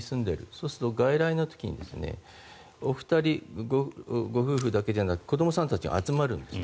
そうすると外来の時にお二人、ご夫婦だけじゃなくて子どもさんたちが集まるんです。